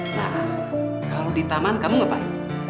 nah kalau di taman kamu ngapain